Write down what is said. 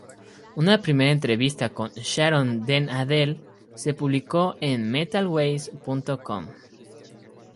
Una primera entrevista con Sharon Den Adel se publicó en "Metal-Ways.com".